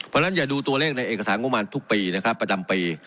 เพราะฉะนั้นอย่าดูตัวเลขในเอกสารงบประมาณทุกปีนะครับประจำปี